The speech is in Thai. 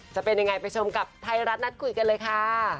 จะเป็นยังไงไปชมกับไทยรัฐนัดคุยกันเลยค่ะ